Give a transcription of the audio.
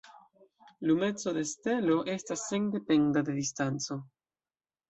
Lumeco de stelo estas sendependa de distanco.